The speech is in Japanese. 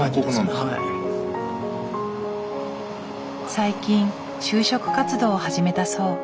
最近就職活動を始めたそう。